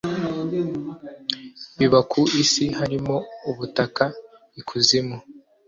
biba ku isi harimo ubutaka ikuzimu